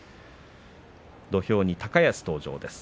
土俵に高安登場です。